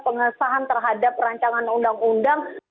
pengesahan terhadap rancangan undang undang